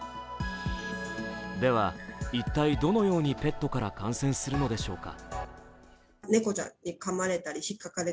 では、一体どのようにペットから感染するのでしょうか。